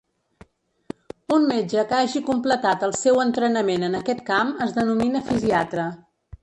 Un metge que hagi completat el seu entrenament en aquest camp es denomina fisiatra.